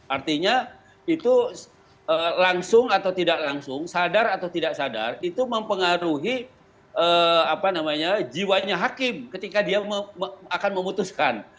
artinya itu langsung atau tidak langsung sadar atau tidak sadar itu mempengaruhi jiwanya hakim ketika dia akan memutuskan